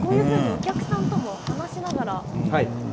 お客さんとも話しながら。